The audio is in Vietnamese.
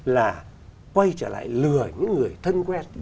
là quay trở lại lừa những người thân quen